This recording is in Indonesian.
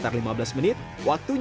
tidak boleh bikin dia takut